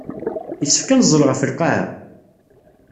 Yessefk ad neẓẓel ɣef lqaɛa?